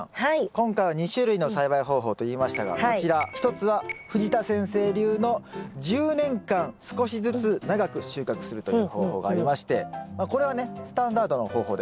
今回は２種類の栽培方法と言いましたがこちら一つは藤田先生流の１０年間少しずつ長く収穫するという方法がありましてこれはねスタンダードな方法でございます。